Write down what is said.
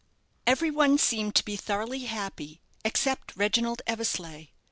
Every one seemed to be thoroughly happy except Reginald Eversleigh.